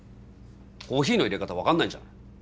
コーヒーのいれ方分かんないんじゃない？